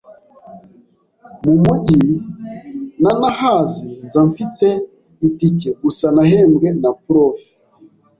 mu mugi ntanahazi, nza mfite itike gusa nahembwe na Prof,